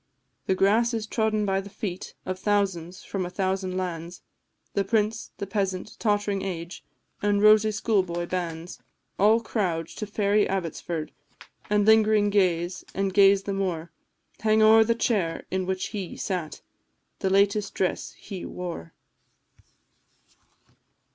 "The grass is trodden by the feet Of thousands, from a thousand lands The prince, the peasant, tottering age, And rosy schoolboy bands; All crowd to fairy Abbotsford, And lingering gaze, and gaze the more; Hang o'er the chair in which he sat, The latest dress he wore."